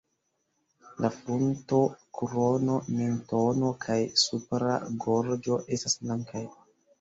La frunto, krono, mentono kaj supra gorĝo estas blankaj.